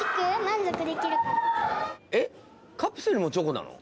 えっ？